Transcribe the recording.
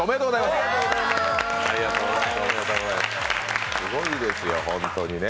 すごいですよ、本当にね。